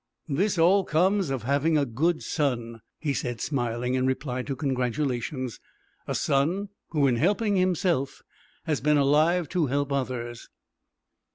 "This all comes of having a good son," he said, smiling, in reply to congratulations, "a son who, in helping himself, has been alive to help others."